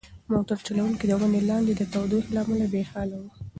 موټر چلونکی د ونې لاندې د تودوخې له امله بې حاله و.